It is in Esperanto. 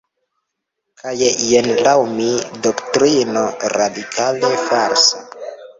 Kaj jen, laŭ mi, doktrino radikale falsa"".